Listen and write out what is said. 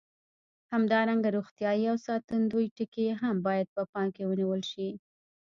همدارنګه روغتیایي او ساتندوي ټکي هم باید په پام کې ونیول شي.